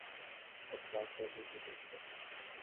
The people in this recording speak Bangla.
অজুর পানি দে, জয়নামাজ দে, কেবলা কোন দিকে বলে দে।